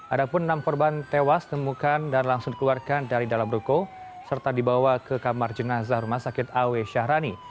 ada pun enam korban tewas temukan dan langsung dikeluarkan dari dalam ruko serta dibawa ke kamar jenazah rumah sakit awe syahrani